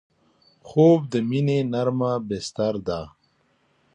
خوب د مینې نرمه بستر ده